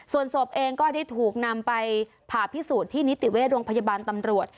ส่วนศพเองก็ได้ถูกนำไปผ่าพิสูจน์ที่นิติเวชโรงพยาบาลตำรวจ